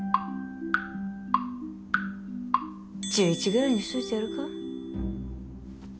１１ぐらいにしておいてやるか。